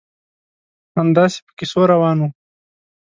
همداسې په کیسو روان وو.